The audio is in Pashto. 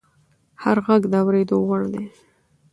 هر غږ د اورېدو وړ دی